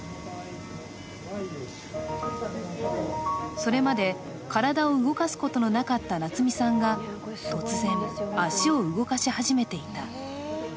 それまで体を動かすことのなかった夏美さんが突然、足を動かし始めていた。